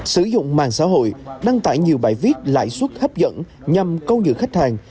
sử dụng mạng xã hội đăng tải nhiều bài viết lãi suất hấp dẫn nhằm câu nhựa khách hàng